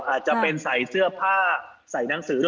อาจจะเป็นใส่เสื้อผ้าใส่หนังสือ